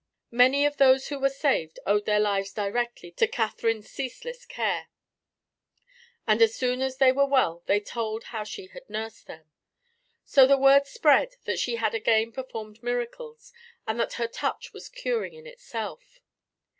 Many of those who were saved owed their lives directly to Catherine's ceaseless care, and as soon as they were well they told how she had nursed them; so the word spread that she had again performed miracles and that her touch was curing in itself.